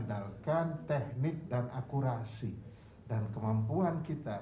mengandalkan teknik dan akurasi dan kemampuan kita